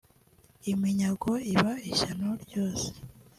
iminyago iba ishyano ryose